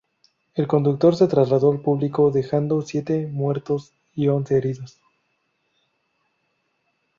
El conductor se trasladó al público, dejando siete muertos y once heridos.